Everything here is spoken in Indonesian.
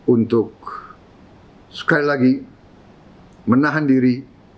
untuk sekali lagi menahan diri